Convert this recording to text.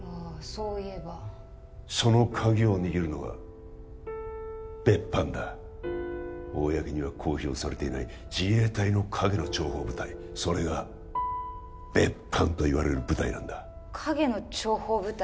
そう言えばそのカギを握るのが別班だ公には公表されていない自衛隊の陰の諜報部隊それが別班といわれる部隊なんだ陰の諜報部隊？